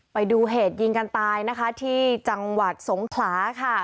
ไปดูเหตุยิงกันตายนะคะที่จังหวัดสงขลาค่ะ